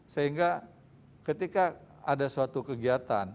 sehingga ketika ada suatu kegiatan